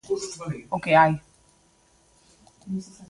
O que hai.